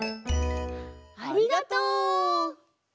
ありがとう。